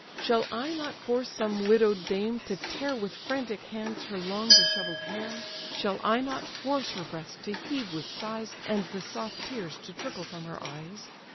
Shall I not force some widow'd dame to tear With frantic hands her long dishevell'd hair? Shall I not force her breast to heave with sighs, And the soft tears to trickle from her eyes?